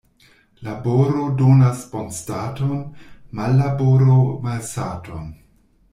Laboro donas bonstaton, mallaboro malsaton.